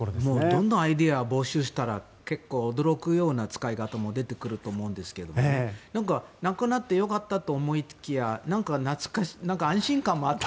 どんどんアイデア募集したら結構、驚くような使い方も出てくると思うんですけどなくなってよかったと思いきやなんか安心感もあって。